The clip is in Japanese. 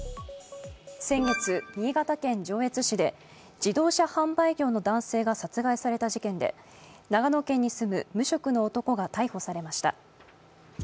先月、新潟県上越市で自動車販売業の男性が殺害された事件で長野県に住む無職の男が逮捕されました。